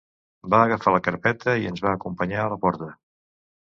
Va agafar la carpeta i ens va acompanyar a la porta.